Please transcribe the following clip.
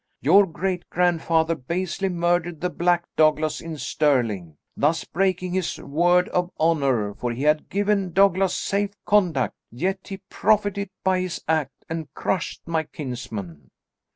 Your great grandfather basely murdered the Black Douglas in Stirling, thus breaking his word of honour for he had given Douglas safe conduct, yet he profited by his act and crushed my kinsmen."